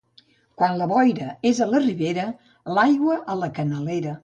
Quan la boira és a la ribera, l'aigua a la canalera.